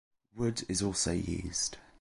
Wood is also used.